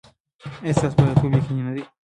ایا ستاسو بریالیتوب یقیني نه دی؟